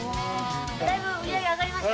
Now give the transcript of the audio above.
だいぶ売り上げ上がりました？